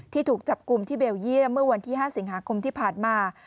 ถูกจับกลุ่มที่เบลเยี่ยมเมื่อวันที่๕สิงหาคมที่ผ่านมา